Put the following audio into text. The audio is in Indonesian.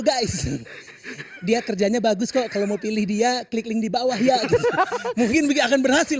guys dia kerjanya bagus kok kalau mau pilih dia klik link di bawah ya gitu mungkin akan berhasil